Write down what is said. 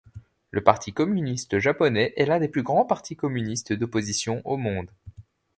Le Parti communiste japonais est l'un des plus grands partis communistes d'opposition au monde.